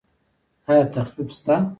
ایا تخفیف شته؟